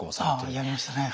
ああやりましたね。